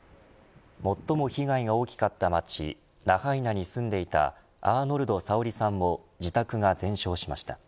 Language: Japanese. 最も被害が大きかった町ラハイナに住んでいたアーノルドさおりさんも自宅が全焼しました。